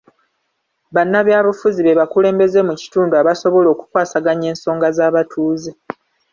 Bannabyabufuzi be bakulembeze mu kitundu abasobola okukwasaganya ensonga z'abatuuze.